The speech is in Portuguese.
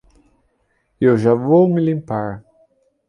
Eu já vou me limpar